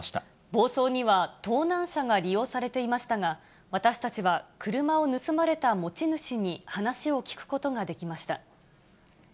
暴走には、盗難車が利用されていましたが、私たちは車を盗まれた持ち主に、話を聞くことができました。